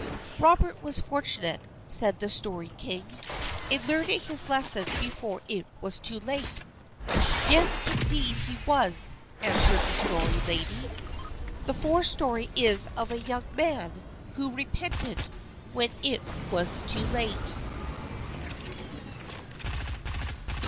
"Robert was fortunate," said the Story King, "in learning his lesson before it was too late." "Yes, indeed, he was," answered the Story Lady. "The fourth story is of a young man who repented when it was too late."